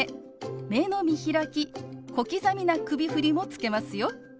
目の見開き小刻みな首振りもつけますよ。